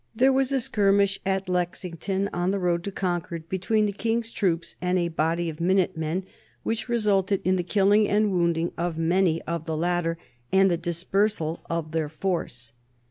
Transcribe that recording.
There was a skirmish at Lexington on the road to Concord between the King's troops and a body of minute men, which resulted in the killing and wounding of many of the latter and the dispersal of their force.